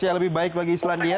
yang lebih baik bagi islandia